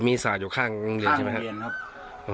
อ๋อมีสระอยู่ข้างโรงเรียนใช่ไหมครับข้างโรงเรียนครับอ๋อ